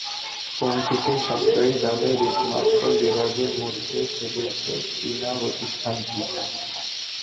ফোনটিকে সাশ্রয়ী দামের স্মার্টফোন বিভাগের মধ্যে ফেলেছে চীনা প্রতিষ্ঠানটি।